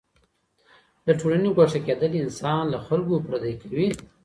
له ټولني ګوښه کېدل انسان له خلګو پردی کوي.